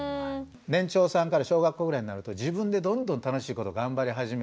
年長さんから小学校ぐらいになると自分でどんどん楽しいこと頑張り始めるっていう。